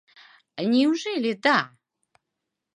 — Неужели «да»?